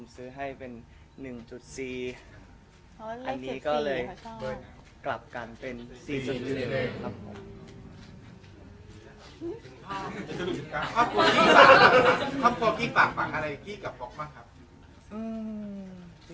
ใช่ใช่